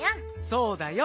そうだよ。